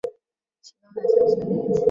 行动还算顺利